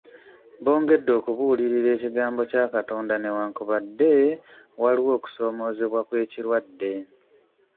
Bongedde okubuulira ekigambo kya Katonda newankubadde waliwo okusoomozebwa kw'ekirwadde.